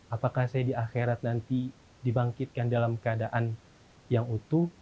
apakah saya di akhirat nanti dibangkitkan dalam keadaan yang utuh